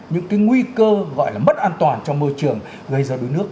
những cái nguy cơ gọi là mất an toàn trong môi trường gây ra đuối nước